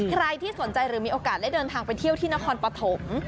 ใครที่สนใจหรือมีโอกาสได้เดินทางไปเที่ยวที่นครปฐม